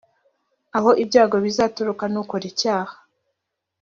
aho ibyago bizaturuka nukora icyaha